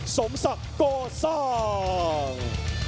สมศักดิ์ก่อสร้าง